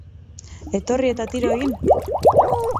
Etorri eta tiro egin?